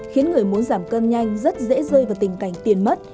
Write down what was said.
khiến người muốn giảm cân nhanh rất dễ rơi vào tình cảnh tiền mất